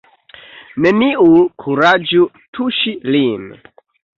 Neniu kuraĝu tuŝi lin!